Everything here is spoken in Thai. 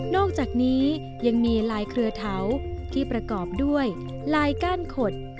อกจากนี้ยังมีลายเครือเถาที่ประกอบด้วยลายก้านขด